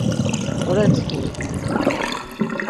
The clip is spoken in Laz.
K̆oretsxuy.